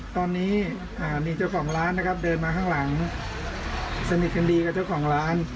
ตอนนี้มีเจ้าของร้านนะครับเดินมาข้างหลังสนิทกันดีกับเจ้าของร้าน